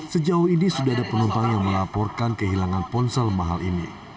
sejauh ini sudah ada penumpang yang melaporkan kehilangan ponsel mahal ini